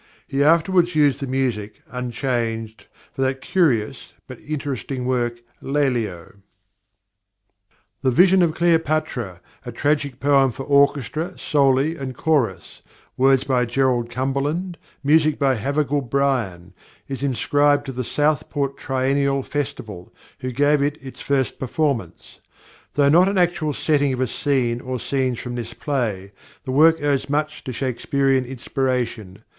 He afterwards used the music, unchanged, for that curious but interesting work Lelio. "The Vision of Cleopatra," a "Tragic Poem for Orchestra, Soli, and Chorus," words by Gerald Cumberland, music by +Havergal Brian+, is inscribed to the Southport Triennial Festival, who gave it its first performance. Though not an actual setting of a scene or scenes from this play, the work owes much to Shakespearian inspiration.